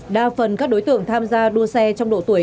đa phần các đối tượng tham gia đua xe trong độ tuổi